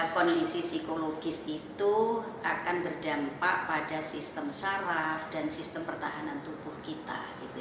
kondisi psikologis itu akan berdampak pada sistem saraf dan sistem pertahanan tubuh kita